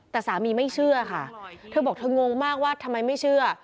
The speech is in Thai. แต่สามีไม่เชื่อค่ะเธอบอกเธองงมากว่าทำไมไม่เชื่อ